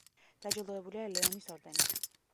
დაჯილდოებულია ლეონის ორდენით.